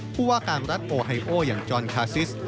ผู้ว่าการรัฐโอไฮโออย่างจอนคาซิส